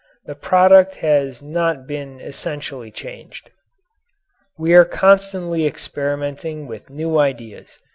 That product has not been essentially changed. We are constantly experimenting with new ideas.